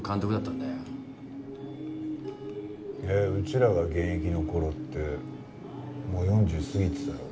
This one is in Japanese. えっうちらが現役の頃ってもう４０過ぎてたよ。